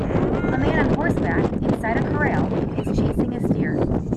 A man on horseback, inside a corral, is chasing a steer.